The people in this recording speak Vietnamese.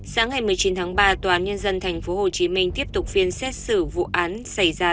sáng ngày một mươi chín tháng ba tòa án nhân dân tp hcm tiếp tục phiên xét xử vụ án xảy ra